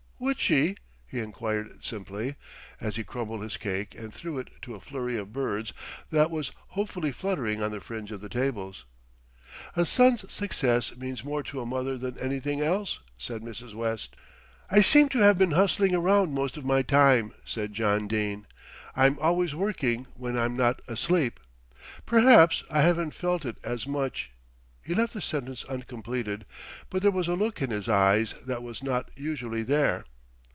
"Would she?" he enquired simply, as he crumbled his cake and threw it to a flurry of birds that was hopefully fluttering on the fringe of the tables. "A son's success means more to a mother than anything else," said Mrs. West. "I seem to have been hustling around most of my time," said John Dene. "I'm always working when I'm not asleep. Perhaps I haven't felt it as much " He left the sentence uncompleted; but there was a look in his eyes that was not usually there.